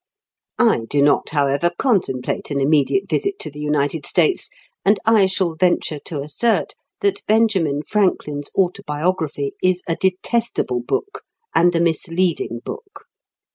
I do not, however, contemplate an immediate visit to the United States, and I shall venture to assert that Benjamin Franklin's Autobiography is a detestable book and a misleading book.